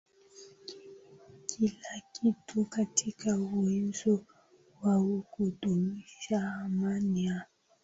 kila kitu katika uwezo wao kudumisha amani na